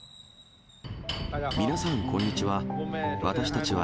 皆さんこんにちは。